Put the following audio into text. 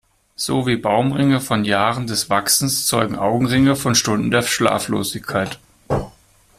So wie Baumringe von Jahren des Wachsens zeugen Augenringe von Stunden der Schlaflosigkeit.